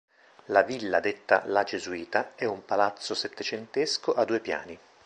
La villa detta "La Gesuita", è un palazzo settecentesco a due piani.